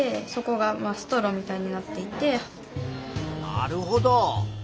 なるほど。